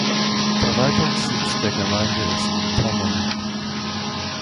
Verwaltungssitz der Gemeinde ist Thommen.